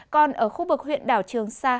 còn ở khu vực huyện đảo trường sa